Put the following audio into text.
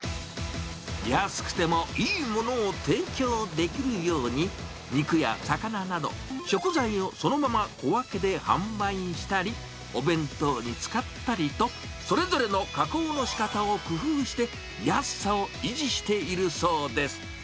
安くてもいいものを提供できるように、肉や魚など、食材をそのまま小分けで販売したり、お弁当に使ったりと、それぞれの加工のしかたを工夫して、安さを維持しているそうです。